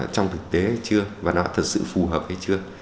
trong thực tế hay chưa và nó thật sự phù hợp hay chưa